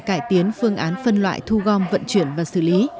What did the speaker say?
cải tiến phương án phân loại thu gom vận chuyển và xử lý